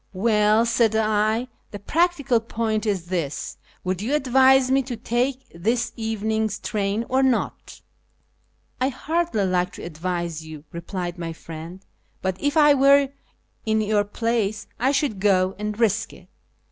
" Well," said I, " the practical point is this, would you advise me to take this evening's train or not ?"" I hardly like to advise you," replied my friend, " but if I were in your place I should go and risk it."